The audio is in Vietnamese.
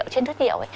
trên thức hiệu ấy